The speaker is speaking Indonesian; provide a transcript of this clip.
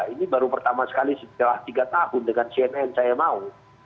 ini baru pertama sekali setelah tiga tahun dengan cnn saya mau